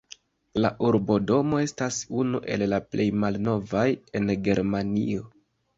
La urbodomo estas unu el la plej malnovaj en Germanio.